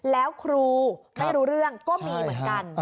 แล้วครูไม่รู้เรื่องก็มีเหมือนกัน